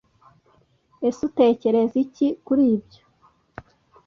Ese utekereza iki kuri byo